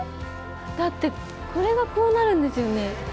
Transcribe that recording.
だってこれがこうなるんですよね？